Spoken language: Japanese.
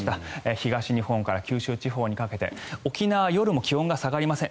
東日本から九州地方にかけて沖縄は夜も気温が下がりません。